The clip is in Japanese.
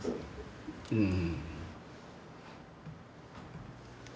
うん。